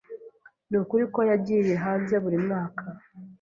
Nukuri ko yagiye hanze buri mwaka.